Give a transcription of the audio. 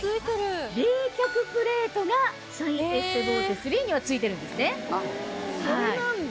冷却プレートがシャインエステボーテ３には付いてるんですね。